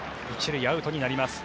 １塁、アウトになります。